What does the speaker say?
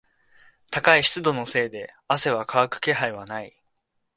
高い湿度のせいで汗は乾く気配はない。